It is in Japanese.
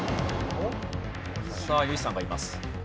さあ油井さんがいます。